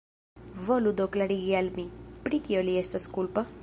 Volu do klarigi al mi, pri kio li estas kulpa?